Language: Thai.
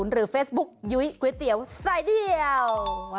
หรือเฟซบุ๊กยุ้ยก๋วยเตี๋ยวสายเดียว